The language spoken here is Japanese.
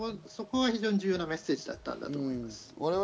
非常に重要なメッセージだったと思います。